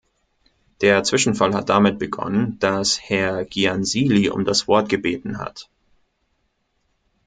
Der Zwischenfall hat damit begonnen, dass Herr Giansily um das Wort gebeten hat.